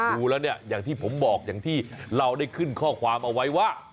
ดูแล้วเนี่ยอย่างที่ผมบอกอย่างที่เราได้ขึ้นข้อความเอาไว้ว่า